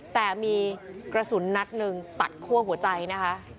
แต่มีกระสุนนัดหนึ่งตัดคั่วหัวใจนะคะ